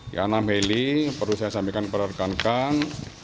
ya enam heli perlu saya sampaikan kepada rekan rekan